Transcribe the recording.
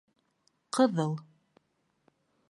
Ҡыҙыл